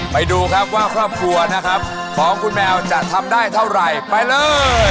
ไปดูครับว่าครอบครัวนะครับของคุณแมวจะทำได้เท่าไหร่ไปเลย